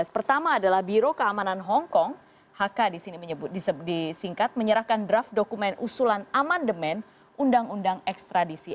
pertama adalah biro keamanan hongkong hk di sini disingkat menyerahkan draft dokumen usulan amandemen undang undang ekstradisi